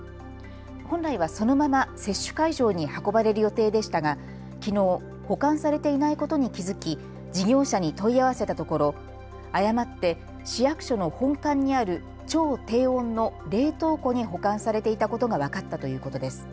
本来はそのまま接種会場に運ばれる予定でしたがきのう、保管されていないことに気付き事業者に問い合わせたところ誤って市役所の本館にある超低温の冷凍庫に保管されていたことが分かったということです。